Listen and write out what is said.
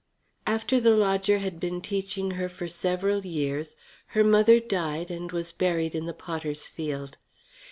After the lodger had been teaching her for several years her mother died and was buried in the potters' field.